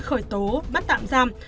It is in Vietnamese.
khởi tố bắt tạm giam